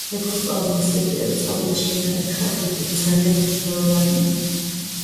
ვეფხისტყაოსნის ზეპირად სწავლა შენნაირი ხალხისთვის ძალიან მნიშვნელოვანია.